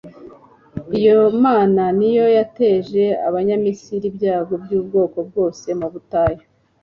iyo mana ni yo yateje abanyamisiri ibyago by'ubwoko bwose mu butayu